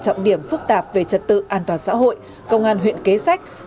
trọng điểm phức tạp về trật tự an toàn xã hội công an huyện kế sách